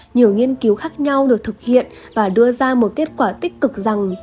nhiều nghiên cứu khác nhau được thực hiện và đưa ra một kết quả tích cực rằng